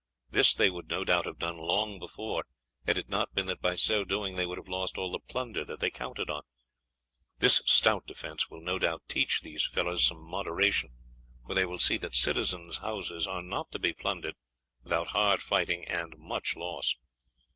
This they would no doubt have done long before had it not been that by so doing they would have lost all the plunder that they counted on. This stout defence will no doubt teach these fellows some moderation, for they will see that citizens' houses are not to be plundered without hard fighting and much loss.